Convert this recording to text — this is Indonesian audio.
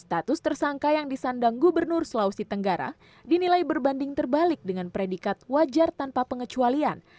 status tersangka yang disandang gubernur sulawesi tenggara dinilai berbanding terbalik dengan predikat wajar tanpa pengecualian